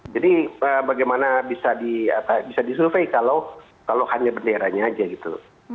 jadi bagaimana bisa disurvei kalau hanya benderanya aja gitu